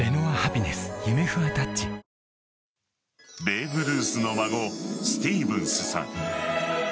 ベーブ・ルースの孫スティーブンスさん。